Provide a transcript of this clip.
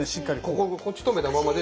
こっち止めたままで。